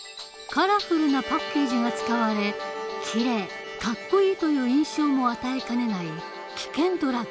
カラフルなパッケージが使われ「きれい」「かっこいい」という印象も与えかねない